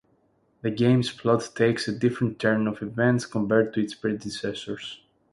The game's plot takes a different turn of events compared to its predecessors.